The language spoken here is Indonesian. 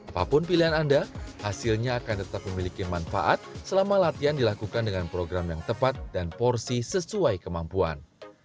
apapun pilihan anda hasilnya akan tetap memiliki manfaat selama latihan dilakukan dengan program yang tepat dan porsi sesuai kemampuan